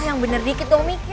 yang bener dikit dong miky